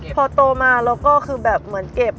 พอโตมาเราก็คือแบบเหมือนเก็บ